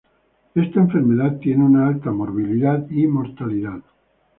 Esta enfermedad tiene una alta morbilidad y mortalidad.